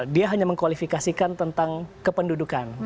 dia hanya mengkualifikasikan tentang kependudukan